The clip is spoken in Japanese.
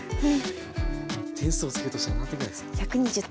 点数をつけるとしたら何点ぐらいですか？